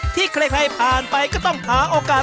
ที่ใครผ่านไปก็ต้องหาโอกาส